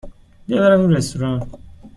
بیا برویم رستوران.